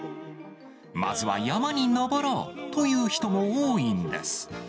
まずは山に登ろうという人も多いんです。